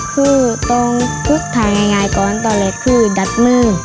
คือต้องทาง่ายก่อนต่อเลยคือดัดมือ